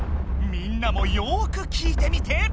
みんなもよく聞いてみて！